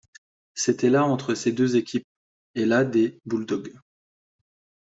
C'était la entre ces deux équipes et la des Bulldogs.